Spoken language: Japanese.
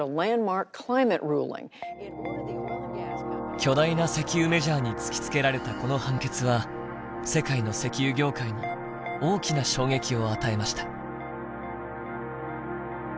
巨大な石油メジャーに突きつけられたこの判決は世界の石油業界に大きな衝撃を与えました。